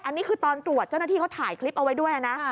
อันนี้คือตอนตรวจเจ้าหน้าที่เขาถ่ายคลิปเอาไว้ด้วยนะ